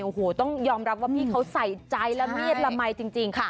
โอ้โหต้องยอมรับว่าพี่เขาใส่ใจและเมียดละมัยจริงค่ะ